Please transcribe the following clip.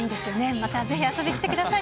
またぜひ遊びに来てください。